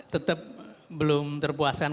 tetap belum terpuaskan